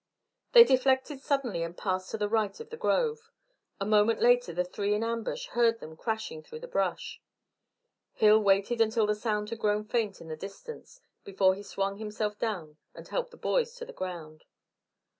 They deflected suddenly and passed to the right of the grove; a moment later the three in ambush heard them crashing through the brush. Hill waited until the sound had grown faint in the distance before he swung himself down and helped the boys to the ground.